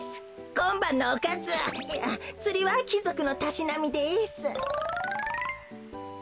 こんばんのおかずいやつりはきぞくのたしなみです。